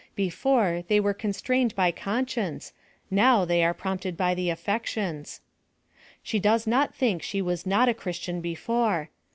Before they were constrained by con science, now they are prompted by the affections. She does not think she was not a Christian before.